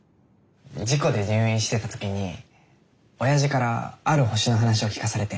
事故で入院してた時におやじからある星の話を聞かされて。